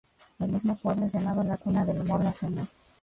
El mismo pueblo es llamado La cuna del humor nacional.